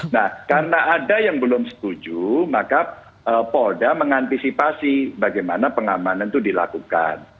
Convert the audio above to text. nah karena ada yang belum setuju maka polda mengantisipasi bagaimana pengamanan itu dilakukan